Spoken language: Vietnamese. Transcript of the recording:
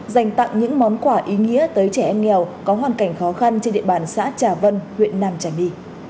dành tặng những món quả ý nghĩa tới trẻ em nghèo có hoàn cảnh khó khăn trên địa bàn xã trả vân huyện nam trả my